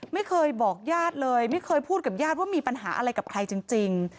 ไม่เคยบอกญาติเลยไม่เคยพูดกับญาติว่ามีปัญหาอะไรกับใครจริง